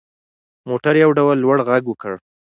موټر یو ډول لوړ غږ وکړ.